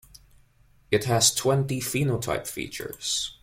It has twenty phenotype features.